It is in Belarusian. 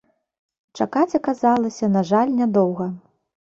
Чакаць аказалася, на жаль, нядоўга.